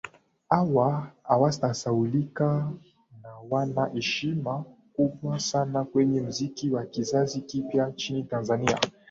Hawa hawatasahaulika na wana heshima kubwa sana kwenye muziki wa kizazi kipya nchini Tanzania